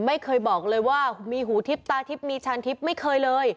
ไม่เคยบอกเลยว่ามีหูทิพย์ตาทิพย์มีชานทิพย์ไม่เคยเลย